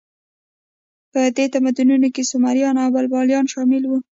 په دې تمدنونو کې سومریان او بابلیان شامل وو.